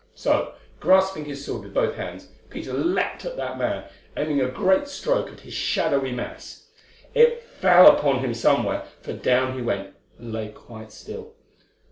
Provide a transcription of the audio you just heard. So, grasping his sword with both hands, Peter leapt at that man, aiming a great stroke at his shadowy mass. It fell upon him somewhere, for down he went and lay quite still.